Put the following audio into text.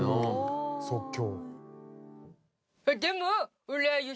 即興。